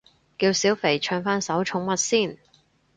叫小肥唱返首寵物先